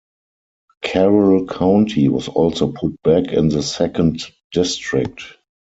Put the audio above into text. Carroll County was also put back in the second district.